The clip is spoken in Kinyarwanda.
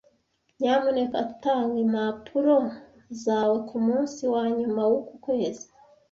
Nyamuneka tanga impapuro zawe kumunsi wanyuma wuku kwezi.